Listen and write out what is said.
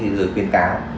thế giới khuyên cáo